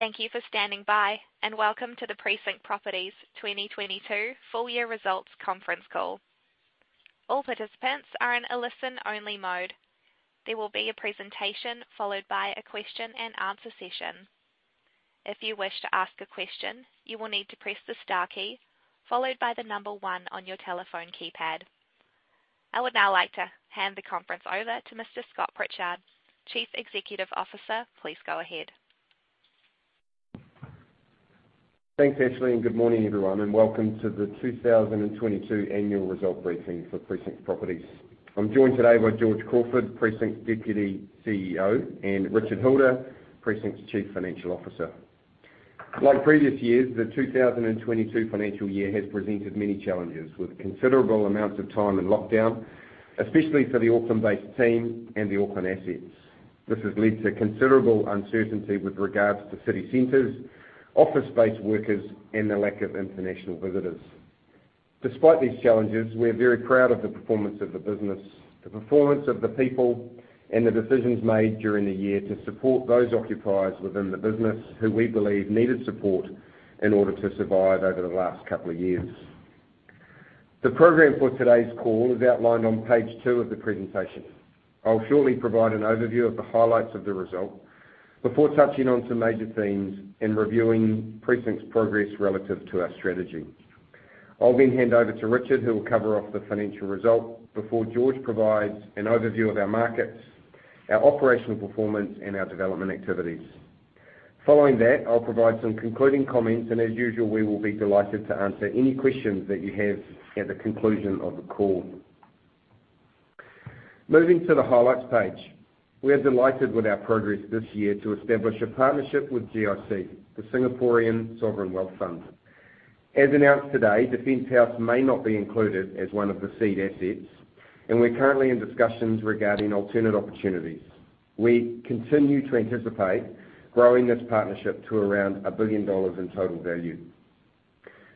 Thank you for standing by, welcome to the Precinct Properties 2022 full year results conference call. All participants are in a listen-only mode. There will be a presentation, followed by a question-and-answer session. If you wish to ask a question, you will need to press the star key, followed by one on your telephone keypad. I would now like to hand the conference over to Mr. Scott Pritchard, Chief Executive Officer. Please go ahead. Thanks, Ashley. Good morning everyone, and welcome to the 2022 annual result briefing for Precinct Properties. I'm joined today by George Crawford, Precinct Deputy CEO, and Richard Hilder, Precinct's Chief Financial Officer. Like previous years, the 2022 financial year has presented many challenges, with considerable amounts of time in lockdown, especially for the Auckland-based team and the Auckland assets. This has led to considerable uncertainty with regards to city centers, office-based workers, and the lack of international visitors. Despite these challenges, we're very proud of the performance of the business, the performance of the people, and the decisions made during the year to support those occupiers within the business who we believe needed support in order to survive over the last couple of years. The program for today's call is outlined on page two of the presentation. I'll shortly provide an overview of the highlights of the result before touching on some major themes and reviewing Precinct's progress relative to our strategy. I'll then hand over to Richard, who will cover off the financial result, before George provides an overview of our markets, our operational performance, and our development activities. Following that, I'll provide some concluding comments, and as usual, we will be delighted to answer any questions that you have at the conclusion of the call. Moving to the highlights page. We are delighted with our progress this year to establish a partnership with GIC, the Singaporean sovereign wealth fund. As announced today, Defence House may not be included as one of the seed assets, and we're currently in discussions regarding alternate opportunities. We continue to anticipate growing this partnership to around 1 billion dollars in total value.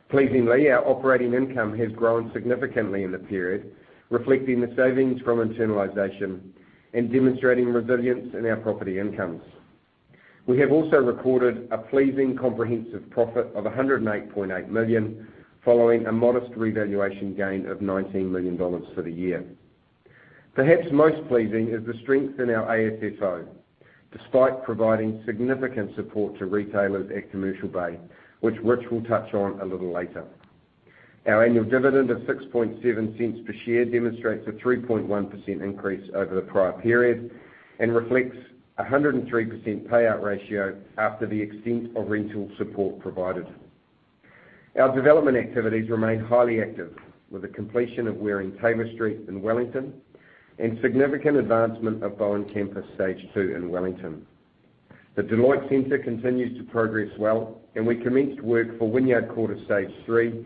Pleasingly, our operating income has grown significantly in the period, reflecting the savings from internalization and demonstrating resilience in our property incomes. We have also recorded a pleasing comprehensive profit of 108.8 million, following a modest revaluation gain of 19 million dollars for the year. Perhaps most pleasing is the strength in our AFFO, despite providing significant support to retailers at Commercial Bay, which Rich will touch on a little later. Our annual dividend of 0.067 per share demonstrates a 3.1% increase over the prior period and reflects a 103% payout ratio after the extent of rental support provided. Our development activities remain highly active, with the completion of Waring Taylor Street in Wellington and significant advancement of Bowen Campus Stage 2 in Wellington. The Deloitte Centre continues to progress well, and we commenced work for Wynyard Quarter Stage 3 ,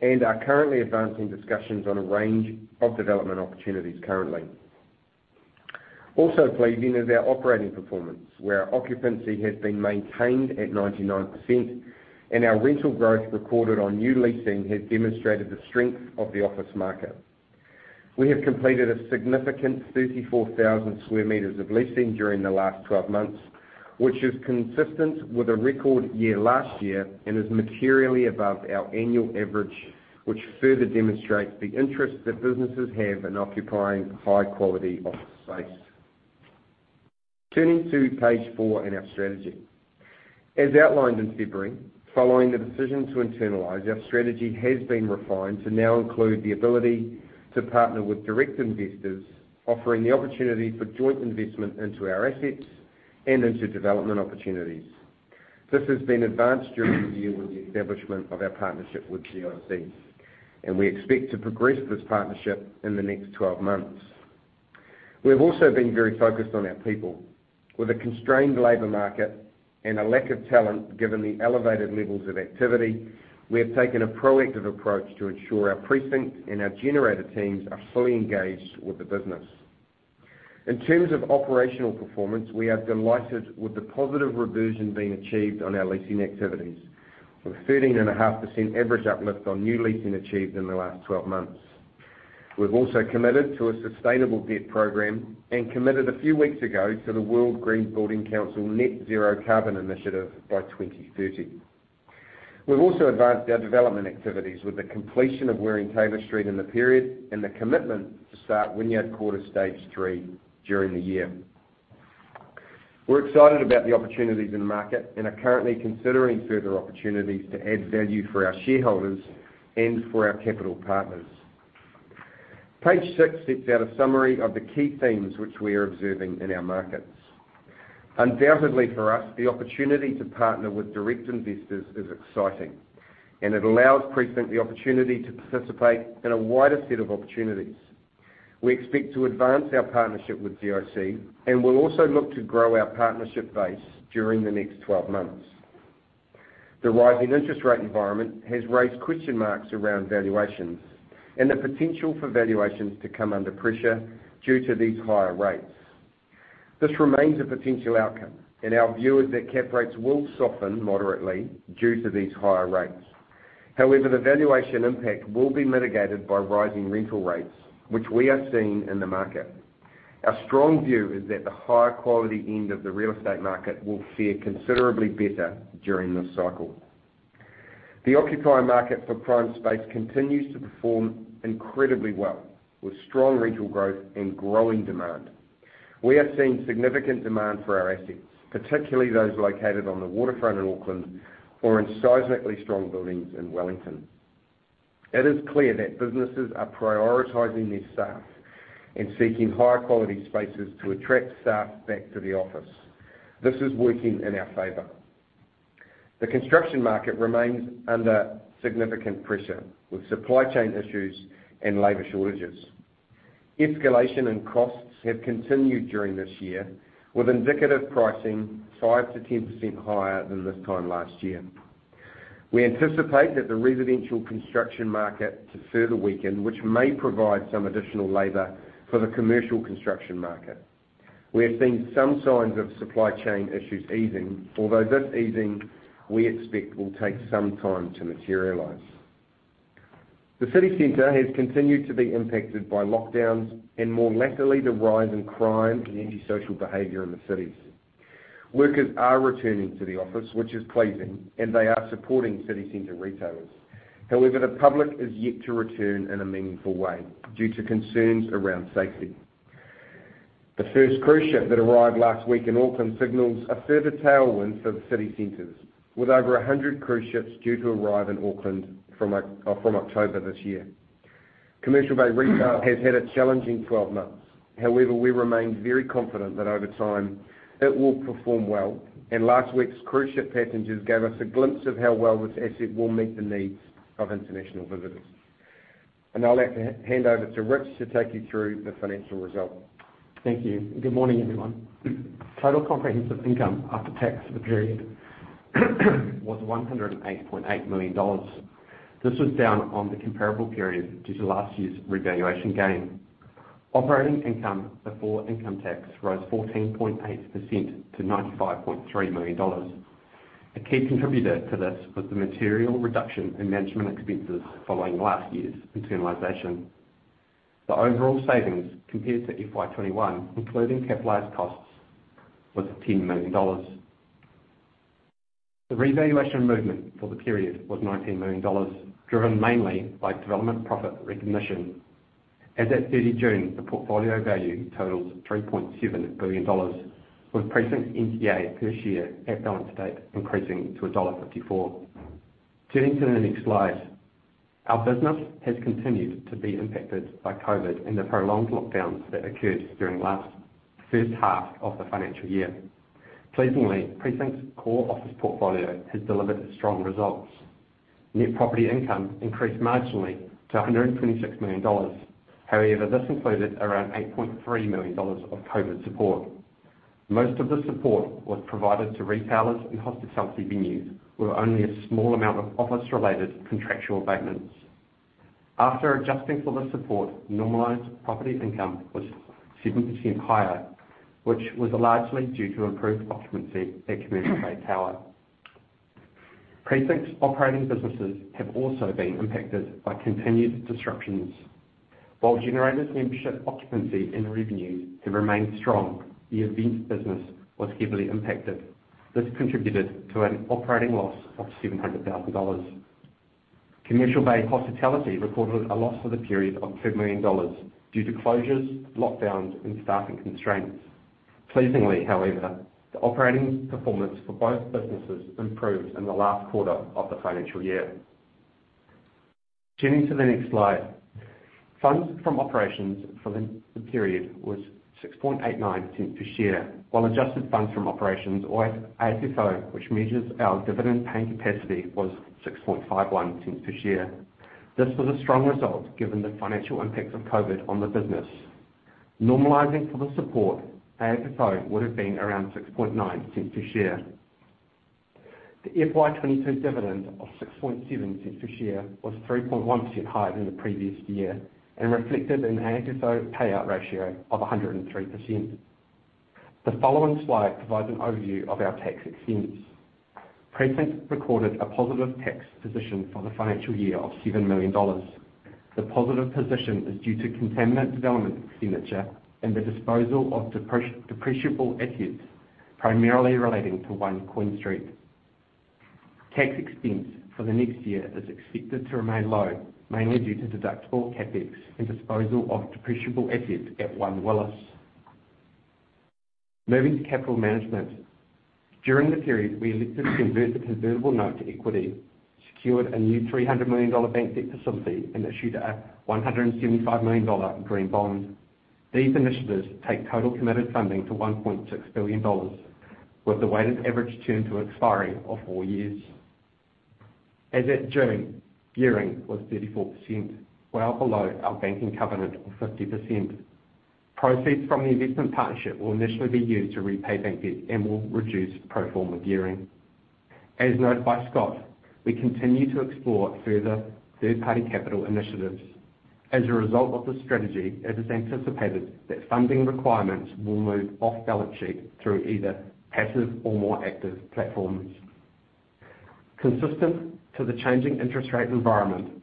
and are currently advancing discussions on a range of development opportunities currently. Also pleasing is our operating performance, where our occupancy has been maintained at 99%, and our rental growth recorded on new leasing has demonstrated the strength of the office market. We have completed a significant 34,000 m² of leasing during the last 12 months, which is consistent with a record year last year and is materially above our annual average, which further demonstrates the interest that businesses have in occupying high-quality office space. Turning to page four and our strategy. As outlined in February, following the decision to internalize, our strategy has been refined to now include the ability to partner with direct investors, offering the opportunity for joint investment into our assets and into development opportunities. This has been advanced during the year with the establishment of our partnership with GIC. We expect to progress this partnership in the next 12 months. We've also been very focused on our people. With a constrained labor market and a lack of talent, given the elevated levels of activity, we have taken a proactive approach to ensure our Precinct and our Generator teams are fully engaged with the business. In terms of operational performance, we are delighted with the positive reversion being achieved on our leasing activities, with a 13.5 average uplift on new leasing achieved in the last 12 months. We've also committed to a sustainable debt program and committed a few weeks ago to the World Green Building Council Net Zero Carbon Initiative by 2030. We've also advanced our development activities with the completion of Waring Taylor Street in the period and the commitment to start Wynyard Quarter Stage 3 during the year. We're excited about the opportunities in the market and are currently considering further opportunities to add value for our shareholders and for our capital partners. Page six sets out a summary of the key themes which we are observing in our markets. Undoubtedly, for us, the opportunity to partner with direct investors is exciting, and it allows Precinct the opportunity to participate in a wider set of opportunities. We expect to advance our partnership with GIC, and we'll also look to grow our partnership base during the next 12 months. The rising interest rate environment has raised question marks around valuations and the potential for valuations to come under pressure due to these higher rates. This remains a potential outcome, and our view is that cap rates will soften moderately due to these higher rates. However, the valuation impact will be mitigated by rising rental rates, which we are seeing in the market. Our strong view is that the higher quality end of the real estate market will fare considerably better during this cycle. The occupier market for prime space continues to perform incredibly well, with strong regional growth and growing demand. We are seeing significant demand for our assets, particularly those located on the waterfront in Auckland or in seismically strong buildings in Wellington. It is clear that businesses are prioritizing their staff and seeking higher quality spaces to attract staff back to the office. This is working in our favor. The construction market remains under significant pressure, with supply chain issues and labor shortages. Escalation in costs have continued during this year, with indicative pricing 5%-10% higher than this time last year. We anticipate that the residential construction market to further weaken, which may provide some additional labor for the commercial construction market. We have seen some signs of supply chain issues easing, although this easing, we expect, will take some time to materialize. The city center has continued to be impacted by lockdowns and, more latterly, the rise in crime and antisocial behavior in the cities. Workers are returning to the office, which is pleasing. They are supporting city center retailers. However, the public is yet to return in a meaningful way due to concerns around safety. The first cruise ship that arrived last week in Auckland signals a further tailwind for the city centers, with over 100 cruise ships due to arrive in Auckland from October this year. Commercial Bay retail has had a challenging 12 months. However, we remain very confident that over time it will perform well, and last week's cruise ship passengers gave us a glimpse of how well this asset will meet the needs of international visitors. Now I'd like to hand over to Rich to take you through the financial results. Thank you. Good morning, everyone. Total comprehensive income after tax for the period was 108.8 million dollars. This was down on the comparable period due to last year's revaluation gain. Operating income before income tax rose 14.8% to 95.3 million dollars. A key contributor to this was the material reduction in management expenses following last year's internalization. The overall savings compared to FY 2021, including capitalized costs, was 10 million dollars. The revaluation movement for the period was 19 million dollars, driven mainly by development profit recognition. As at 30 June, the portfolio value totals 3.7 billion dollars, with Precinct's NTA per share at balance date increasing to dollar 1.54. Turning to the next slide. Our business has continued to be impacted by COVID and the prolonged lockdowns that occurred during last first half of the financial year. Pleasingly, Precinct's core office portfolio has delivered strong results. Net property income increased marginally to 126 million dollars. However, this included around 8.3 million dollars of COVID support. Most of the support was provided to retailers and hospitality venues, with only a small amount of office-related contractual abatements. After adjusting for the support, normalized property income was 7% higher, which was largely due to improved occupancy at Commercial Bay Tower. Precinct's operating businesses have also been impacted by continued disruptions. While Generator's membership occupancy and revenue have remained strong, the events business was heavily impacted. This contributed to an operating loss of 700,000 dollars. Commercial Bay Hospitality recorded a loss for the period of 2 million dollars due to closures, lockdowns, and staffing constraints. Pleasingly, however, the operating performance for both businesses improved in the last quarter of the financial year. Turning to the next slide. Funds from operations for the period was 0.0689 per share, while adjusted funds from operations or AFFO, which measures our dividend-paying capacity, was 0.0651 per share. This was a strong result, given the financial impact of COVID on the business. Normalizing for the support, AFFO would have been around 0.069 per share. The FY 2022 dividend of 0.067 per share was 3.1% higher than the previous year and reflected an AFFO payout ratio of 103%. The following slide provides an overview of our tax expense. Precinct recorded a positive tax position for the financial year of 7 million dollars. The positive position is due to contaminant development expenditure and the disposal of depreciable assets, primarily relating to One Queen Street. Tax expense for the next year is expected to remain low, mainly due to deductible CapEx and disposal of depreciable assets at 1 Willis Street. Moving to capital management. During the period, we lifted the convertible note to equity, secured a new 300 million dollar bank debt facility, and issued a 175 million dollar green bond. These initiatives take total committed funding to 1.6 billion dollars, with a weighted average term to expiry of four years. As at June, gearing was 34%, well below our banking covenant of 50%. Proceeds from the investment partnership will initially be used to repay bank debt and will reduce pro forma gearing. As noted by Scott, we continue to explore further third-party capital initiatives. As a result of this strategy, it is anticipated that funding requirements will move off balance sheet through either passive or more active platforms.... Consistent to the changing interest rate environment,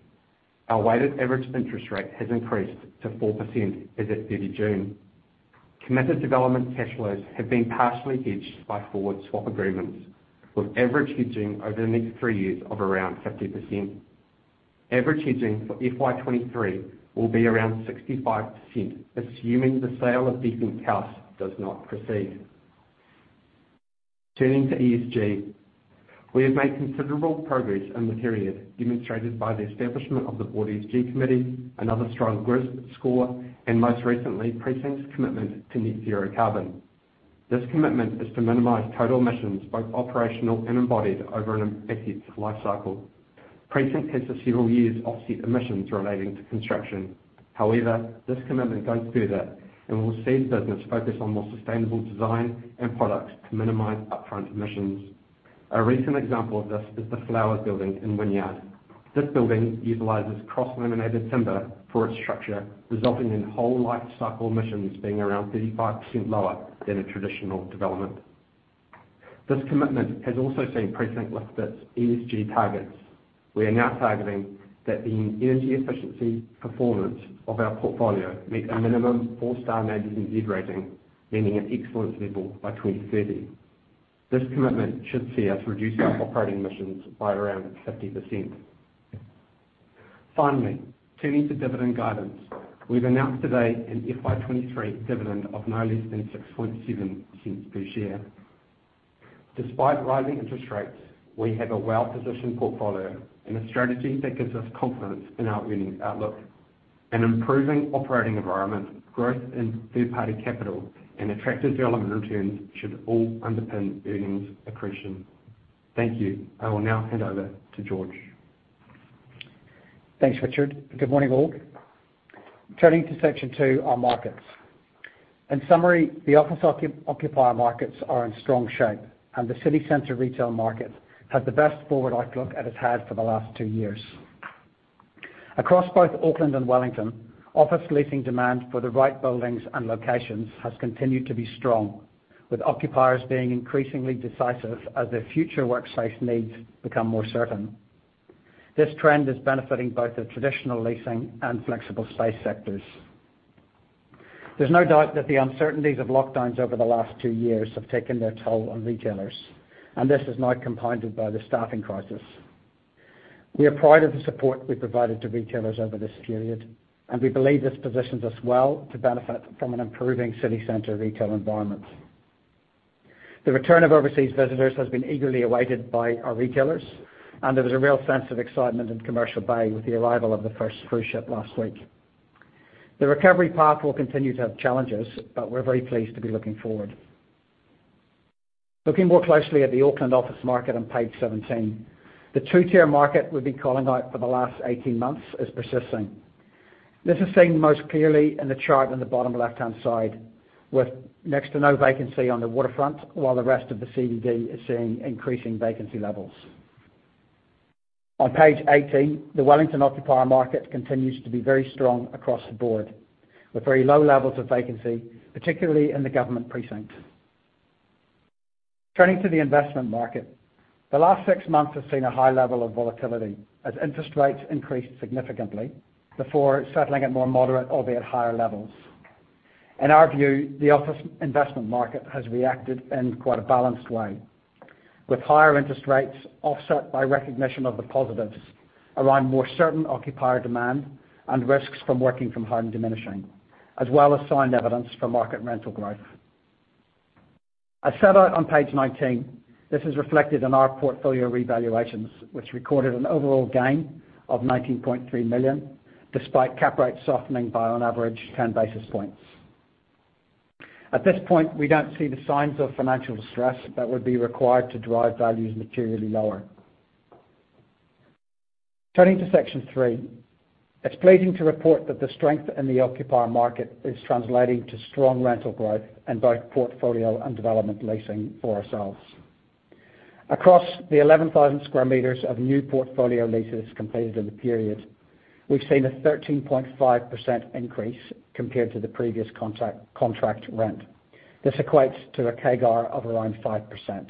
our weighted average interest rate has increased to 4% as at 30 June. Committed development cash flows have been partially hedged by forward swap agreements, with average hedging over the next three years of around 50%. Average hedging for FY 2023 will be around 65%, assuming the sale of Defence House does not proceed. Turning to ESG, we have made considerable progress in the period, demonstrated by the establishment of the Board ESG committee, another strong GRESB score, and most recently, Precinct's commitment to net zero carbon. This commitment is to minimize total emissions, both operational and embodied, over an asset's life cycle. Precinct has several years of offset emissions relating to construction. However, this commitment goes further and will see the business focus on more sustainable design and products to minimize upfront emissions. A recent example of this is the Flowers Building in Wynyard. This building utilizes cross-laminated timber for its structure, resulting in whole lifecycle emissions being around 35% lower than a traditional development. This commitment has also seen Precinct lift its ESG targets. We are now targeting that the energy efficiency performance of our portfolio meet a minimum four-star NABERSNZ rating, meaning an excellence level by 2030. This commitment should see us reduce our operating emissions by around 50%. Finally, turning to dividend guidance. We've announced today an FY 2023 dividend of no less than 6.7 cents per share. Despite rising interest rates, we have a well-positioned portfolio and a strategy that gives us confidence in our earnings outlook. An improving operating environment, growth in third-party capital, and attractive development returns should all underpin earnings accretion. Thank you. I will now hand over to George. Thanks, Richard. Good morning, all. Turning to section two, our markets. In summary, the office occupier markets are in strong shape, and the city center retail market has the best forward outlook it has had for the last two years. Across both Auckland and Wellington, office leasing demand for the right buildings and locations has continued to be strong, with occupiers being increasingly decisive as their future workspace needs become more certain. This trend is benefiting both the traditional leasing and flexible space sectors. There's no doubt that the uncertainties of lockdowns over the last two years have taken their toll on retailers, and this is now compounded by the staffing crisis. We are proud of the support we've provided to retailers over this period, and we believe this positions us well to benefit from an improving city center retail environment. The return of overseas visitors has been eagerly awaited by our retailers, and there was a real sense of excitement in Commercial Bay with the arrival of the first cruise ship last week. The recovery path will continue to have challenges, but we're very pleased to be looking forward. Looking more closely at the Auckland office market on page 17, the two-tier market we've been calling out for the last 18 months is persisting. This is seen most clearly in the chart on the bottom left-hand side, with next to no vacancy on the waterfront, while the rest of the CBD is seeing increasing vacancy levels. On page 18, the Wellington occupier market continues to be very strong across the board, with very low levels of vacancy, particularly in the government precinct. Turning to the investment market, the last six months have seen a high level of volatility as interest rates increased significantly before settling at more moderate, albeit higher, levels. In our view, the office investment market has reacted in quite a balanced way, with higher interest rates offset by recognition of the positives around more certain occupier demand and risks from working from home diminishing, as well as signed evidence for market rental growth. As set out on page 19, this is reflected in our portfolio revaluations, which recorded an overall gain of 19.3 million, despite cap rate softening by on average 10 basis points. At this point, we don't see the signs of financial distress that would be required to drive values materially lower. Turning to section three, it's pleasing to report that the strength in the occupier market is translating to strong rental growth in both portfolio and development leasing for ourselves. Across the 11,000 m² of new portfolio leases completed in the period, we've seen a 13.5% increase compared to the previous contract, contract rent. This equates to a CAGR of around 5%.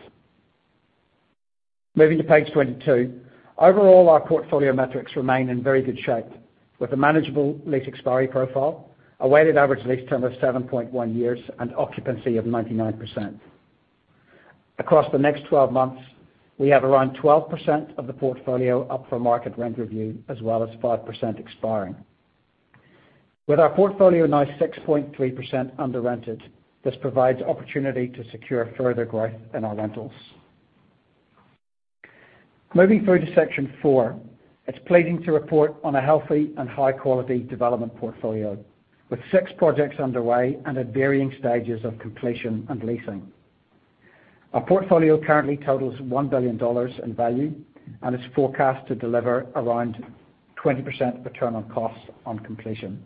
Moving to page 22, overall, our portfolio metrics remain in very good shape, with a manageable lease expiry profile, a weighted average lease term of 7.1 years, and occupancy of 99%. Across the next 12 months, we have around 12% of the portfolio up for market rent review, as well as 5% expiring. With our portfolio now 6.3% under-rented, this provides opportunity to secure further growth in our rentals. Moving through to section four, it's pleasing to report on a healthy and high-quality development portfolio, with six projects underway and at varying stages of completion and leasing. Our portfolio currently totals 1 billion dollars in value and is forecast to deliver around 20% return on costs on completion.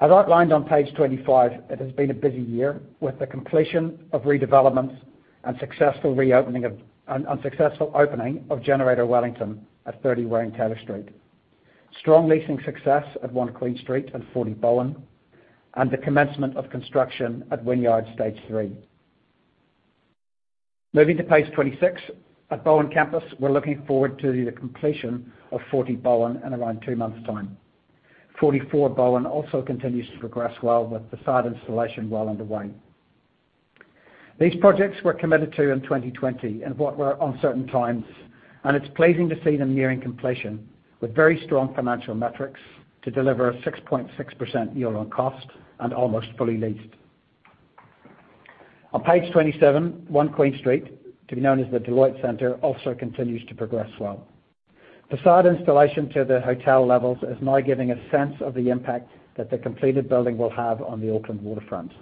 As outlined on page 25, it has been a busy year, with the completion of redevelopments and successful opening of Generator Wellington at 30 Waring Taylor Street, strong leasing success at One Queen Street and Forty Bowen, and the commencement of construction at Wynyard Stage 3. Moving to page 26, at Bowen Campus, we're looking forward to the completion of Forty Bowen in around two months' time. Forty-four Bowen also continues to progress well, with the site installation well underway. These projects were committed to in 2020, in what were uncertain times, and it's pleasing to see them nearing completion with very strong financial metrics to deliver a 6.6% yield on cost and almost fully leased. On page 27, One Queen Street, to be known as the Deloitte Centre, also continues to progress well. Facade installation to the hotel levels is now giving a sense of the impact that the completed building will have on the Auckland waterfront.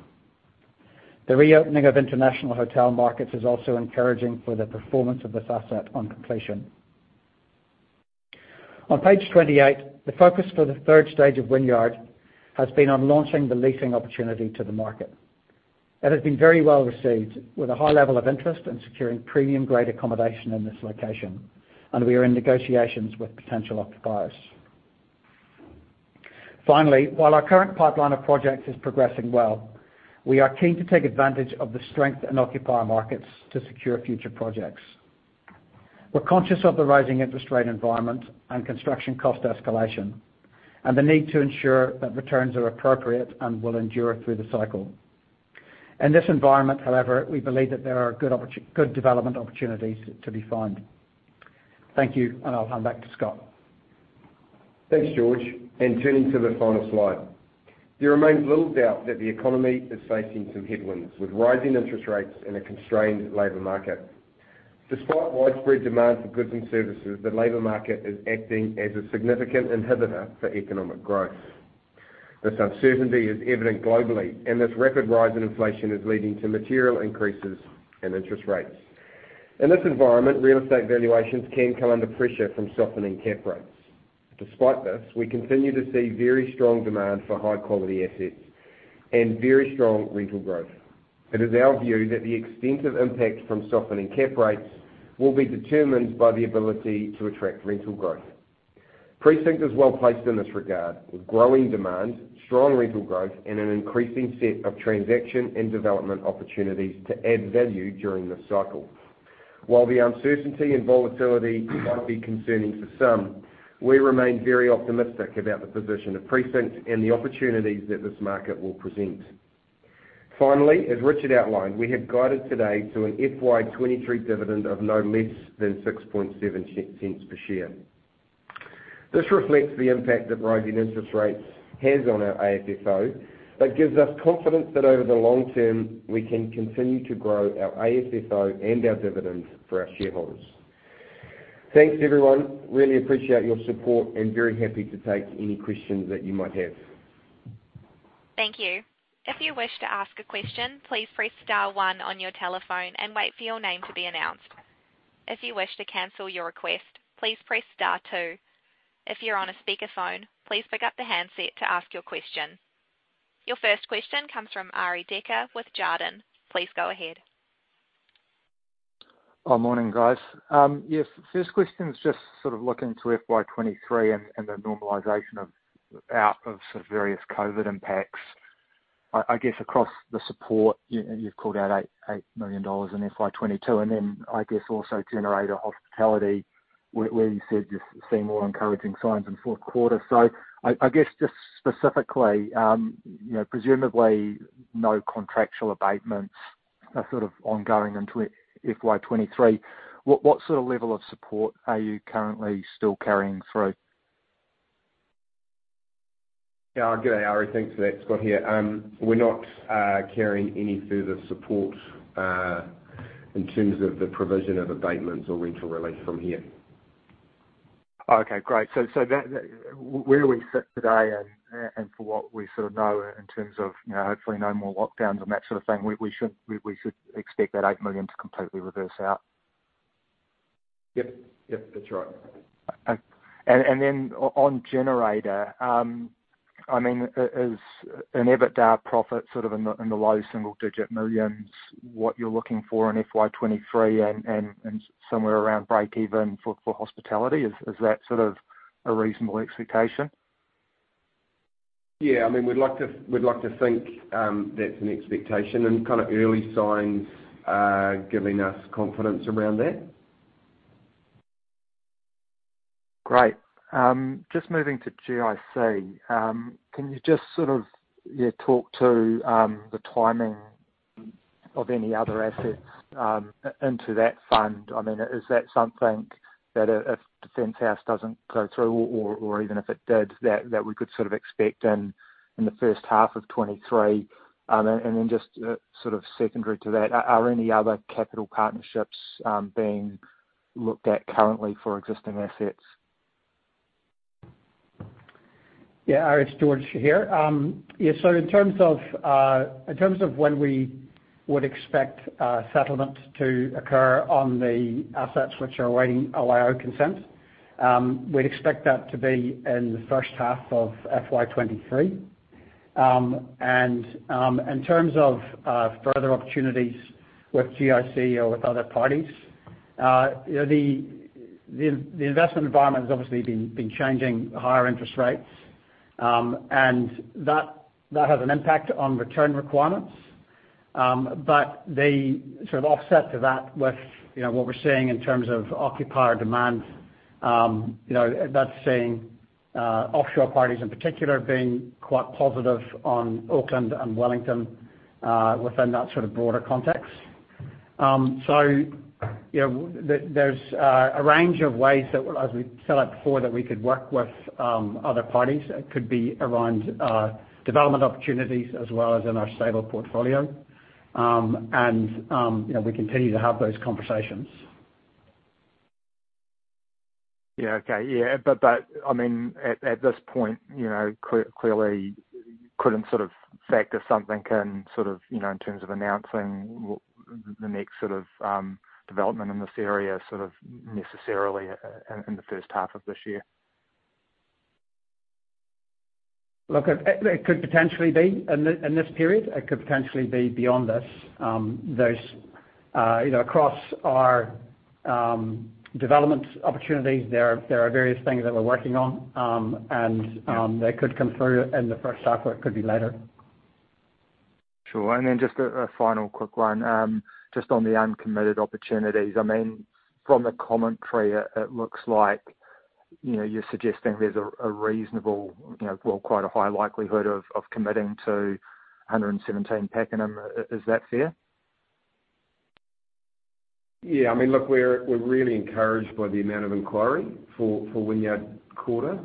The reopening of international hotel markets is also encouraging for the performance of this asset on completion. On page 28, the focus for the third stage of Wynyard has been on launching the leasing opportunity to the market. It has been very well received, with a high level of interest in securing premium grade accommodation in this location, and we are in negotiations with potential occupiers. Finally, while our current pipeline of projects is progressing well, we are keen to take advantage of the strength in occupier markets to secure future projects. We're conscious of the rising interest rate environment and construction cost escalation, and the need to ensure that returns are appropriate and will endure through the cycle. In this environment, however, we believe that there are good development opportunities to be found. Thank you, and I'll hand back to Scott. Thanks, George. Turning to the final slide. There remains little doubt that the economy is facing some headwinds, with rising interest rates and a constrained labor market. Despite widespread demand for goods and services, the labor market is acting as a significant inhibitor for economic growth. This uncertainty is evident globally, and this rapid rise in inflation is leading to material increases in interest rates. In this environment, real estate valuations can come under pressure from softening cap rates. Despite this, we continue to see very strong demand for high-quality assets and very strong rental growth. It is our view that the extent of impact from softening cap rates will be determined by the ability to attract rental growth. Precinct is well placed in this regard, with growing demand, strong rental growth, and an increasing set of transaction and development opportunities to add value during this cycle. While the uncertainty and volatility might be concerning to some, we remain very optimistic about the position of Precinct and the opportunities that this market will present. Finally, as Richard outlined, we have guided today to an FY 2023 dividend of no less than 0.067 per share. This reflects the impact that rising interest rates has on our AFFO, but gives us confidence that over the long term, we can continue to grow our AFFO and our dividends for our shareholders. Thanks, everyone. Really appreciate your support, and very happy to take any questions that you might have. Thank you. If you wish to ask a question, please press star one on your telephone and wait for your name to be announced. If you wish to cancel your request, please press star two. If you're on a speakerphone, please pick up the handset to ask your question. Your first question comes from Arie Dekker with Jarden. Please go ahead. Oh, morning, guys. Yes, first question is just sort of looking to FY 2023 and the normalization of, out of some various COVID impacts. I guess across the support, you've called out 8 million dollars in FY 2022, then I guess also Generator hospitality, where you said you're seeing more encouraging signs in fourth quarter. I guess just specifically, you know, presumably no contractual abatements are sort of ongoing into FY 2023. What sort of level of support are you currently still carrying through? Yeah. G'day, Arie. Thanks for that. Scott here. We're not carrying any further support in terms of the provision of abatements or rental relief from here. Oh, okay, great. That, where we sit today and, and for what we sort of know in terms of, you know, hopefully no more lockdowns and that sort of thing, we should expect that 8 million to completely reverse out? Yep. Yep, that's right. Then on Generator, I mean, is an EBITDA profit sort of in the low single digit millions, what you're looking for in FY 2023 and, and, and somewhere around breakeven for hospitality, is, is that sort of a reasonable expectation? Yeah, I mean, we'd like to, we'd like to think, that's an expectation, and kind of early signs are giving us confidence around that. Great. Just moving to GIC, can you just sort of, yeah, talk to the timing of any other assets into that fund? I mean, is that something that if Defence House doesn't go through, or, or, or even if it did, that, that we could sort of expect in, in the first half of 2023? Then just sort of secondary to that, are any other capital partnerships being looked at currently for existing assets? Yeah, Arie, it's George here. Yeah, so in terms of, in terms of when we would expect a settlement to occur on the assets which are awaiting OIO consent, we'd expect that to be in the first half of FY 2023. In terms of further opportunities with GIC or with other parties, you know, the, the, the investment environment has obviously been, been changing higher interest rates, and that, that has an impact on return requirements. But the sort of offset to that with, you know, what we're seeing in terms of occupier demand, you know, that's seeing offshore parties in particular being quite positive on Auckland and Wellington, within that sort of broader context. You know, there, there's a range of ways that, as we set out before, that we could work with other parties. It could be around development opportunities as well as in our stable portfolio. You know, we continue to have those conversations. Yeah. Okay. Yeah, I mean, at, at this point, you know, clearly couldn't sort of factor something in, sort of, you know, in terms of announcing what the next sort of development in this area, sort of necessarily in the first half of this year? Look, it, it could potentially be in th- in this period, it could potentially be beyond this. There's, you know, across our development opportunities, there are, there are various things that we're working on, and- Yeah They could come through in the first half, or it could be later. Sure. Then just a final quick one, just on the uncommitted opportunities. I mean, from the commentary, it looks like, you know, you're suggesting there's a reasonable, you know, well, quite a high likelihood of committing to 117 Pakenham. Is that fair? Yeah. I mean, look, we're, we're really encouraged by the amount of inquiry for, for Wynyard Quarter.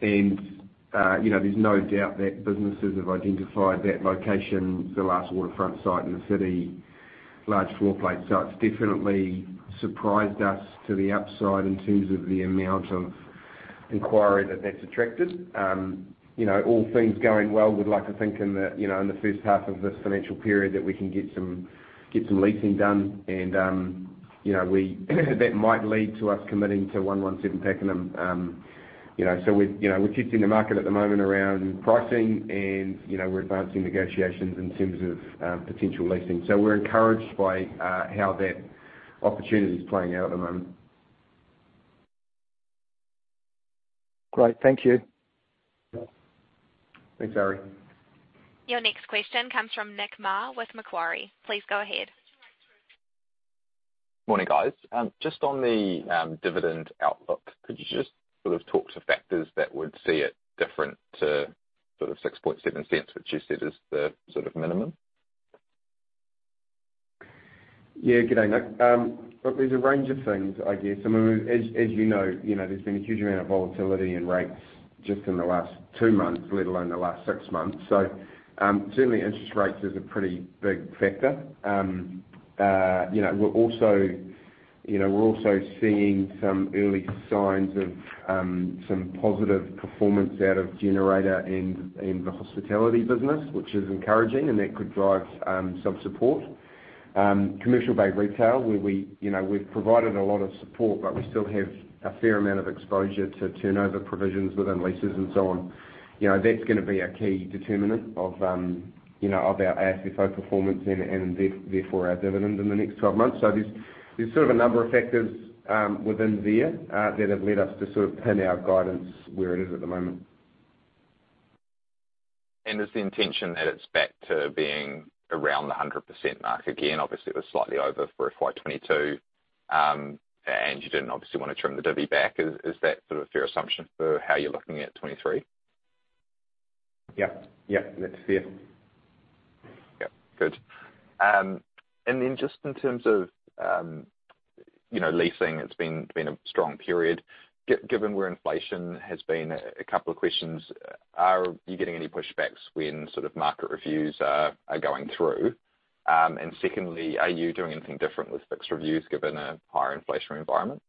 There's no doubt that businesses have identified that location, the last waterfront site in the city, large floor plate. It's definitely surprised us to the upside in terms of the amount of inquiry that that's attracted. All things going well, we'd like to think in the first half of this financial period, that we can get some, get some leasing done and we that might lead to us committing to 117 Pakenham. We're testing the market at the moment around pricing and we're advancing negotiations in terms of potential leasing. We're encouraged by how that opportunity is playing out at the moment. Great. Thank you. Thanks, Arie. Your next question comes from Nick Mar with Macquarie. Please go ahead. Morning, guys. Just on the dividend outlook, could you just sort of talk to factors that would see it different to sort of 0.067, which you said is the sort of minimum? Yeah. Good day, Nick. Well, there's a range of things, I guess. I mean, as, as you know, you know, there's been a huge amount of volatility in rates just in the last two months, let alone the last six months. Certainly interest rates is a pretty big factor. You know, we're also, you know, we're also seeing some early signs of some positive performance out of Generator and, and the hospitality business, which is encouraging, and that could drive some support. Commercial Bay retail, where we, you know, we've provided a lot of support, but we still have a fair amount of exposure to turnover provisions within leases and so on. You know, that's gonna be a key determinant of, you know, of our AFFO performance and, therefore our dividend in the next 12 months. There's, there's sort of a number of factors, within there, that have led us to sort of pin our guidance where it is at the moment. Is the intention that it's back to being around the 100% mark again? Obviously, it was slightly over for FY 2022, and you didn't obviously want to trim the divi back. Is, is that sort of a fair assumption for how you're looking at 2023? Yeah. Yeah, that's fair. Yeah. Good. Then just in terms of, you know, leasing, it's been a strong period. Given where inflation has been, a couple of questions: Are you getting any pushbacks when sort of market reviews are going through? Secondly, are you doing anything different with fixed reviews, given a higher inflationary environment,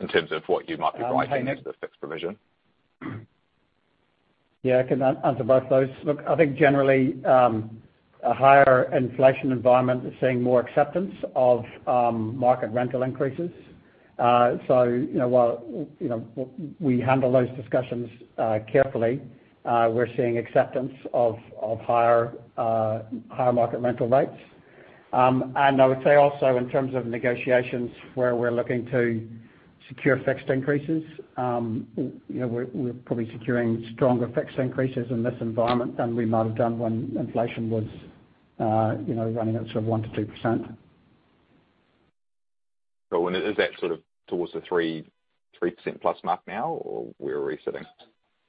in terms of what you might be providing... Hey, Nick. for the fixed provision? Yeah, I can answer both those. Look, I think generally, a higher inflation environment is seeing more acceptance of market rental increases. You know, you know, we handle those discussions carefully, we're seeing acceptance of higher, higher market rental rates. I would say also in terms of negotiations, where we're looking to secure fixed increases, you know, we're, we're probably securing stronger fixed increases in this environment than we might have done when inflation was, you know, running at sort of 1%-2%. Is that sort of towards the 3%, 3%+ mark now, or where are we sitting?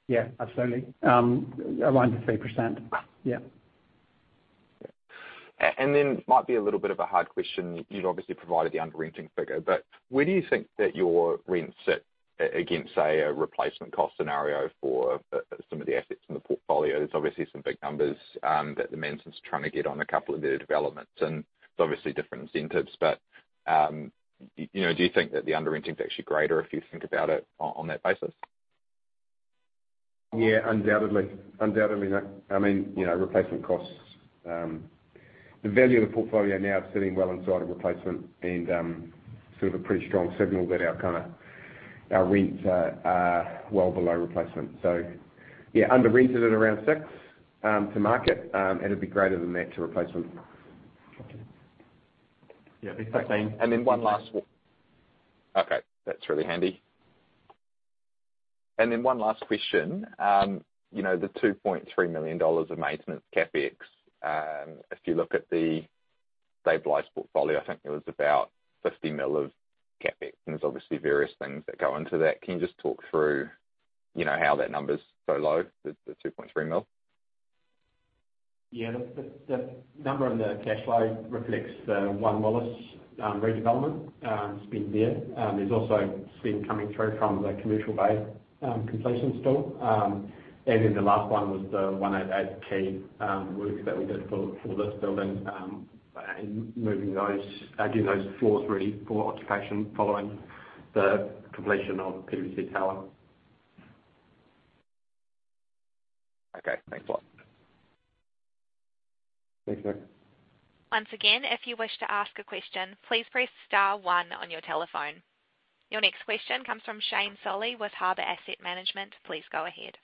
Yeah, absolutely. Around the 3%. Yeah. Then might be a little bit of a hard question. You've obviously provided the under-renting figure, but where do you think that your rents sit against, say, a replacement cost scenario for some of the assets in the portfolio? There's obviously some big numbers that the maintenance is trying to get on a couple of the developments, and there's obviously different incentives. You know, do you think that the under-renting is actually greater if you think about it on that basis? Yeah, undoubtedly. Undoubtedly, Nick. I mean, you know, replacement costs. The value of the portfolio now is sitting well inside of replacement and sort of a pretty strong signal that our kind of, our rents are well below replacement. Yeah, under REIT it at around six to market, and it'd be greater than that to replacement. Okay. Yeah, thanks, Scott. One last-- Okay, that's really handy. One last question, you know, the 2.3 million dollars of maintenance CapEx, if you look at the stabilized portfolio, I think there was about 50 million of CapEx, and there's obviously various things that go into that. Can you just talk through, you know, how that number's so low, the 2.3 million? Yeah. The number on the cash flow reflects the One Willis redevelopment, it's been there. There's also been coming through from the Commercial Bay completion still. The last one was the 108 Quay work that we did for, for this building, and moving those, getting those floors ready for occupation following the completion of PwC Tower. Okay. Thanks a lot. Thanks, Nick. Once again, if you wish to ask a question, please press star one on your telephone. Your next question comes from Shane Solly with Harbour Asset Management. Please go ahead.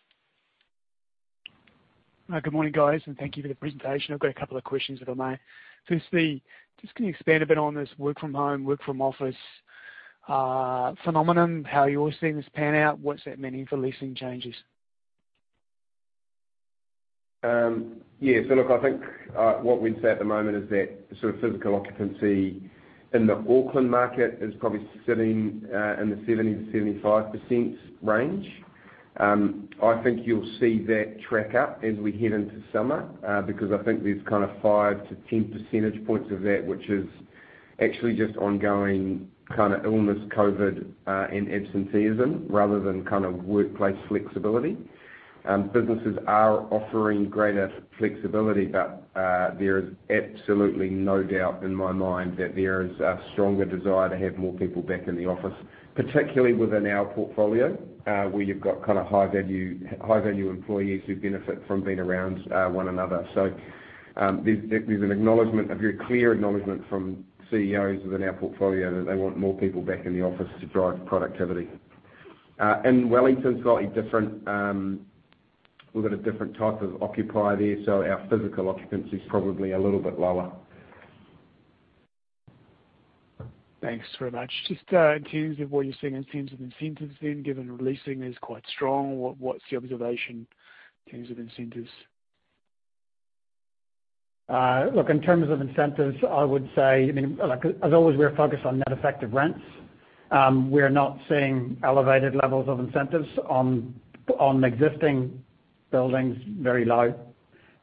Good morning, guys, thank you for the presentation. I've got a couple of questions, if I may. Just can you expand a bit on this work from home, work from office phenomenon? How are you seeing this pan out? What's that meaning for leasing changes? Yeah. Look, I think, what we'd say at the moment is that the sort of physical occupancy in the Auckland market is probably sitting in the 70%-75% range. I think you'll see that track up as we head into summer, because I think there's kind of five to 10 percentage points of that, which is actually just ongoing kind of illness, COVID, and absenteeism, rather than kind of workplace flexibility. Businesses are offering greater flexibility, but there is absolutely no doubt in my mind that there is a stronger desire to have more people back in the office, particularly within our portfolio, where you've got kind of high-value, high-value employees who benefit from being around one another. There's, there's an acknowledgement, a very clear acknowledgement from CEOs within our portfolio that they want more people back in the office to drive productivity. Wellington's slightly different, we've got a different type of occupier there, so our physical occupancy is probably a little bit lower. Thanks very much. Just, in terms of what you're seeing in terms of incentives then, given releasing is quite strong, what, what's the observation in terms of incentives? Look, in terms of incentives, I would say, I mean, like, as always, we're focused on net effective rents. We're not seeing elevated levels of incentives on, on existing buildings, very low,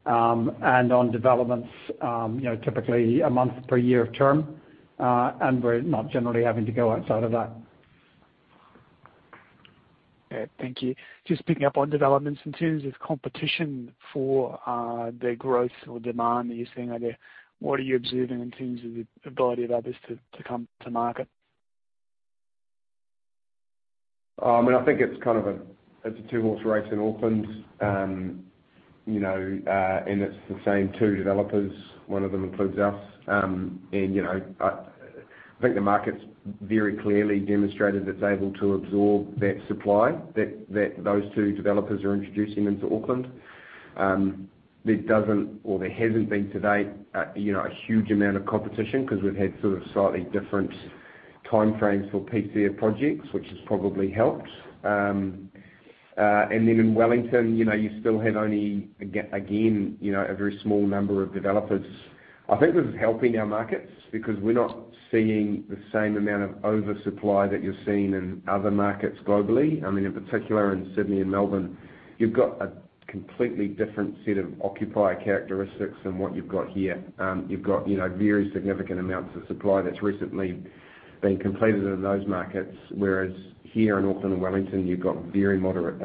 and on developments, you know, typically a month per year of term, and we're not generally having to go outside of that. Yeah. Thank you. Just picking up on developments, in terms of competition for the growth or demand that you're seeing out there, what are you observing in terms of the ability of others to come to market? I mean, I think it's kind of a, it's a two-horse race in Auckland. You know, it's the same two developers. One of them includes us. You know, I, I think the market's very clearly demonstrated it's able to absorb that supply that, that those two developers are introducing into Auckland. There doesn't or there hasn't been to date, you know, a huge amount of competition, 'cause we've had sort of slightly different timeframes for piece of projects, which has probably helped. Then in Wellington, you know, you still have only again, you know, a very small number of developers. I think this is helping our markets, because we're not seeing the same amount of oversupply that you're seeing in other markets globally. I mean, in particular in Sydney and Melbourne, you've got a completely different set of occupier characteristics than what you've got here. You've got, you know, very significant amounts of supply that's recently been completed in those markets, whereas here in Auckland and Wellington, you've got very moderate,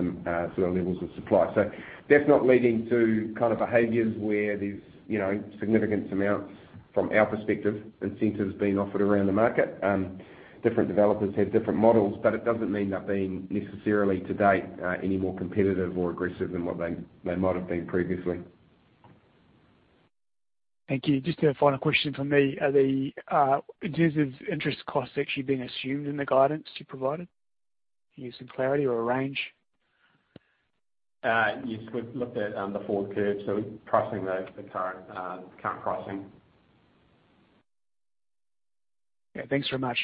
sort of levels of supply. That's not leading to kind of behaviors where there's, you know, significant amounts from our perspective, incentives being offered around the market. Different developers have different models, but it doesn't mean they're being necessarily to date, any more competitive or aggressive than what they, they might have been previously. Thank you. Just a final question from me. Are the, in terms of interest costs actually being assumed in the guidance you provided, can you give some clarity or a range? Yes, we've looked at the forward curve, so we're pricing the, the current, current pricing. Yeah. Thanks very much.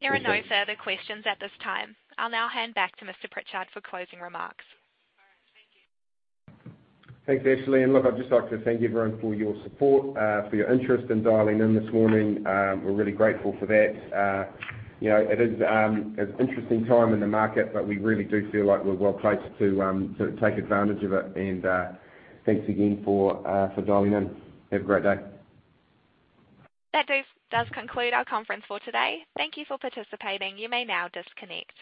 There are no further questions at this time. I'll now hand back to Mr. Pritchard for closing remarks. Thanks, Ashley. Look, I'd just like to thank everyone for your support, for your interest in dialing in this morning. We're really grateful for that. You know, it is an interesting time in the market, but we really do feel like we're well placed to sort of take advantage of it. Thanks again for for dialing in. Have a great day. That does, does conclude our conference for today. Thank you for participating. You may now disconnect.